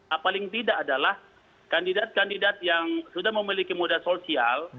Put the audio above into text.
nah paling tidak adalah kandidat kandidat yang sudah memiliki modal sosial